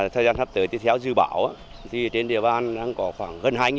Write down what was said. thời gian sắp tới tiếp theo dự bảo thì trên địa bàn đang có khoảng hơn hai